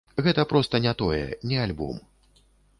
Гэта проста не тое, не альбом.